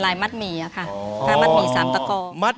ผ้าไหมนะ